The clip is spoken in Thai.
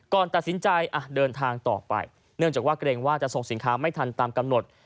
ก่อนตัดสินใจเดินทางต่อไปเนื่องจากว่าเกรงว่าจะส่งสินค้าไม่ทันตามกำหนด